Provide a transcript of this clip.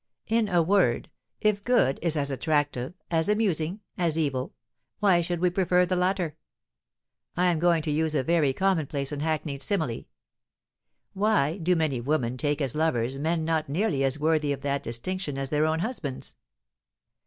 In a word, if good is as attractive, as amusing, as evil, why should we prefer the latter? I am going to use a very commonplace and hackneyed simile. Why do many women take as lovers men not nearly as worthy of that distinction as their own husbands?